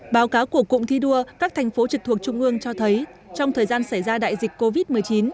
báo cáo của cụm thi đua các thành phố trực thuộc trung ương cho thấy trong thời gian xảy ra đại dịch covid một mươi chín